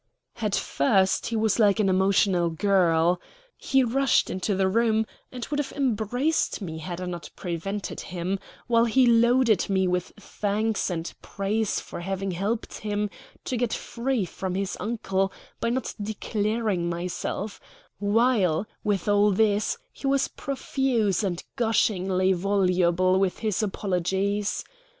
At first he was like an emotional girl. He rushed into the room, and would have embraced me had I not prevented him, while he loaded me with thanks and praise for having helped him to get free from his uncle by not declaring myself; while, with all this, he was profuse and gushingly voluble with his apologies.